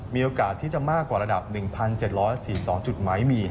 มีโอกาสที่จะมากกว่าระดับ๑๗๔๒จุดไหมมี